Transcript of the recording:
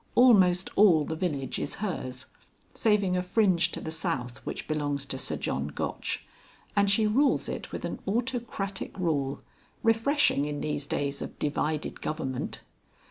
Almost all the village is hers, saving a fringe to the south which belongs to Sir John Gotch, and she rules it with an autocratic rule, refreshing in these days of divided government.